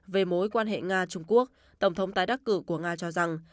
về mối quan hệ nga trung quốc tổng thống tái đắc cử của nga cho rằng